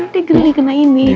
dia geli kena ini